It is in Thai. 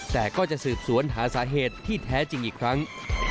แต่ก็จะสืบสวนหาสาเหตุที่แท้จริงอีกครั้ง